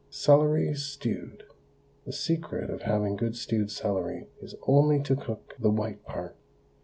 CELERY, STEWED. The secret of having good stewed celery is only to cook the white part.